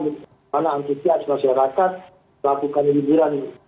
bagaimana antusias masyarakat melakukan liburan